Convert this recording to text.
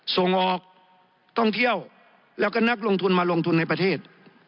ส่งออกท่องเที่ยวแล้วก็นักลงทุนมาลงทุนในประเทศ